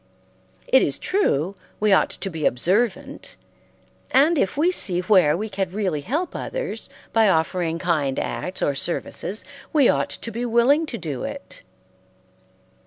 It is true we ought to be observant, and if we see where we can really help others by offering kind acts or services, we ought to be willing to do it.